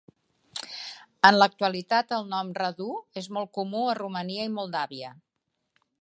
En l'actualitat, el nom Radu és molt comú a Romania i Moldàvia.